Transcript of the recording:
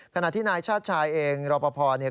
ขณะที่นายชาติชายเองรอปภเนี่ย